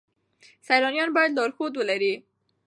سیلانیان باید لارښود ولرئ.